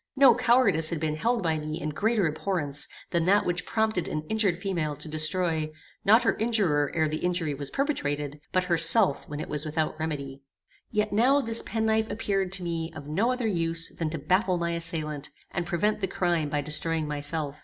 No cowardice had been held by me in greater abhorrence than that which prompted an injured female to destroy, not her injurer ere the injury was perpetrated, but herself when it was without remedy. Yet now this penknife appeared to me of no other use than to baffle my assailant, and prevent the crime by destroying myself.